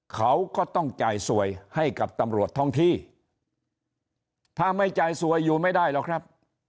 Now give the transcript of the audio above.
เขาก็ต้องจ่ายสวยให้กับตำรวจท้องที่ถ้าไม่จ่ายสวยอยู่ไม่ได้หรอกครับ